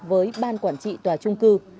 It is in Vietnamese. với ban quản trị tòa trung cư